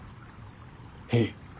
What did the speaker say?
へい。